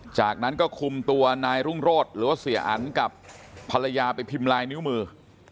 จากนั้นก็คุมตัวนายรุ่งโรธหรือว่าเสียอันกับภรรยาไปพิมพ์ลายนิ้วมือ